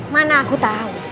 mana aku tahu